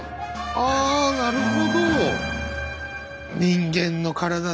あなるほど！